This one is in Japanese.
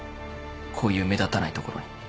こういう目立たない所に。